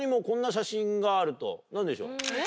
何でしょう？